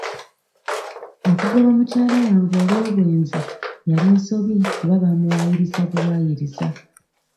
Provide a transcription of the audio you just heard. Okugoba mukyala wange olw'obwenzi yali nsobi kuba baamuwayiriza buwaayiriza.